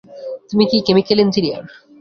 তুমি কি chemical engineer?